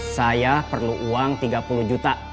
saya perlu uang tiga puluh juta